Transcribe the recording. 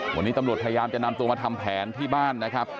วันนี้ตำลวดดังจะนั้นตัวมาทำแผนที่บ้านนะครับ